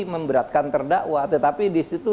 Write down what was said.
memberatkan terdakwa tetapi disitu